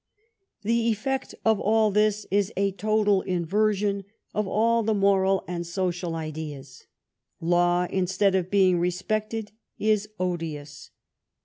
The effect of all this is a total inversion of all the moral and social ideas. Law, instead of being respected, is odious.